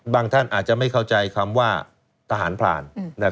ท่านอาจจะไม่เข้าใจคำว่าทหารพราน